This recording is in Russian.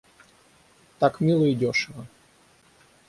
Так мило и дешево.